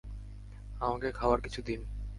আমাকে খাওয়ার কিছু দিন।